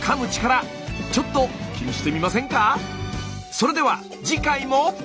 それでは次回も！